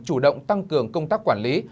chủ động tăng cường công tác quản lý